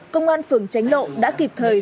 công an phường tránh lộ đã kịp thời